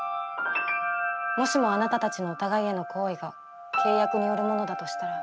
もしもあなたたちのお互いへの好意が契約によるものだとしたら。